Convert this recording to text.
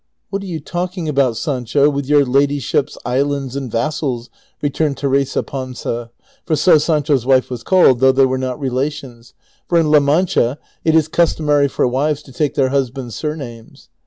" What are you talking about, Sancho, with your ladyships, islands, and vassals ?" returned Teresa Panza — for so Sancho's wife was called, though they were not relations, for in La AEan cha it is customary for wives to take their husl)ands' surnames.